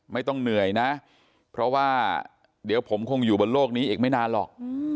ไม่ต้องเหนื่อยนะเพราะว่าเดี๋ยวผมคงอยู่บนโลกนี้อีกไม่นานหรอก